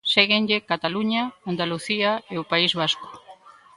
Séguenlle Cataluña, Andalucía e o País Vasco.